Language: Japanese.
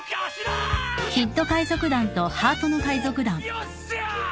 よっしゃー！